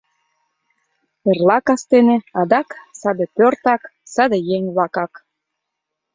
Эрла кастене адак саде пӧртак, саде еҥ-влакак.